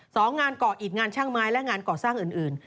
สองงานเกาะอิดงานช่างไม้และงานก่อสร้างอื่น